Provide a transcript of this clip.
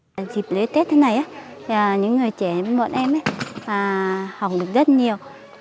dịp lễ tết thế này những người trẻ bọn em học được rất nhiều